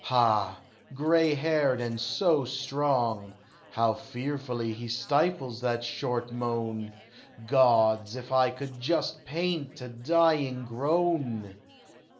Ha! gray haired, and so strong! How fearfully he stifles that short moan! Gods! if I could but paint a dying groan!